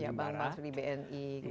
ya bang pak dari bni